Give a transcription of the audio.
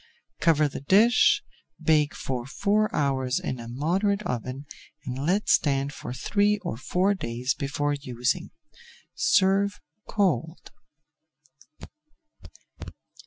Cover the dish, bake for four hours in a moderate oven, and let stand for three or four days before using. Serve cold.